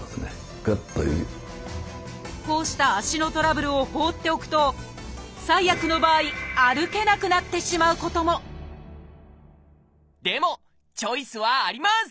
こうした足のトラブルを放っておくと最悪の場合歩けなくなってしまうこともでもチョイスはあります！